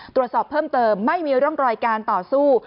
ตรวจสอบเพิ่มเติมไม่มีร่องรอยการต่อสู้